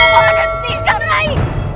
kau akan hentikan rai